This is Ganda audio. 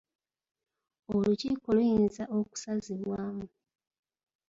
Olukiiko luyinza okusazibwamu.